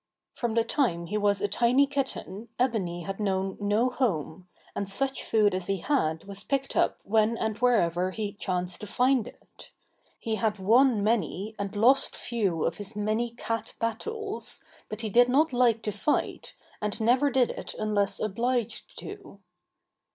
From the time he was a tiny kitten Ebony had known no home, and such food as he had was picked up when and wherever he chanced to find it. He had won many and lost few of his many cat battles, but he did not like to fight and never did it unless obliged to.